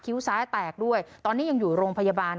ซ้ายแตกด้วยตอนนี้ยังอยู่โรงพยาบาล